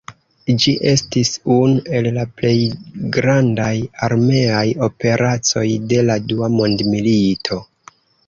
Ĝi estis unu el la plej grandaj armeaj operacoj de la Dua mondmilito.